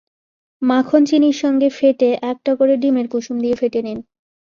মাখন চিনির সঙ্গে ফেটে একটা করে ডিমের কুসুম দিয়ে ফেটে নিন।